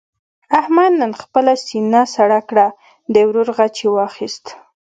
احمد نن خپله سینه سړه کړه. د ورور غچ یې واخیست.